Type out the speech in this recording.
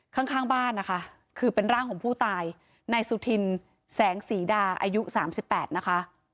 ข้างข้างบ้านนะคะคือเป็นร่างของผู้ตายนายสุธินแสงศรีดาอายุ๓๘นะคะ